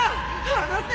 離せ！